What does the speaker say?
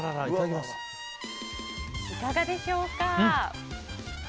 いかがでしょうか？